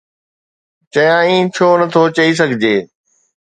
چيائين: ڇو نٿو چئي سگهجي؟